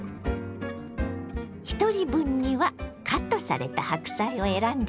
ひとり分にはカットされた白菜を選んでね。